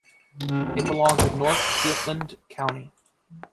It belonged to North Jutland County.